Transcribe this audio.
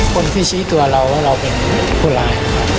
คนพิชีตัวเราแล้วเราเป็นคนร้าย